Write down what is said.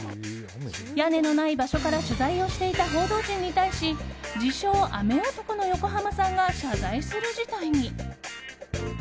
屋根のない場所から取材をしていた報道陣に対し自称・雨男の横浜さんが謝罪する事態に。